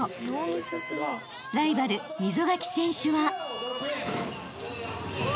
［ライバル溝垣選手は］